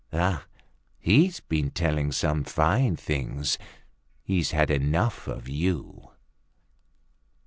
Ah! he's been telling some fine things; he'd had enough of you!"